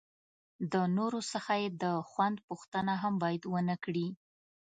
د نورو څخه یې د خوند پوښتنه هم باید ونه کړي.